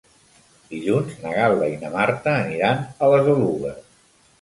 Dilluns na Gal·la i na Marta aniran a les Oluges.